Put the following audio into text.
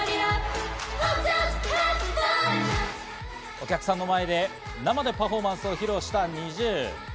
お客さんの前で生でパフォーマンスを披露したＮｉｚｉＵ。